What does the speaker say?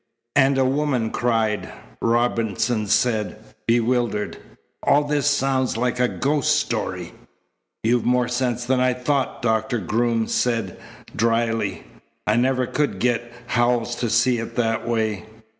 "And a woman cried!" Robinson said, bewildered. "All this sounds like a ghost story." "You've more sense than I thought," Doctor Groom said dryly. "I never could get Howells to see it that way."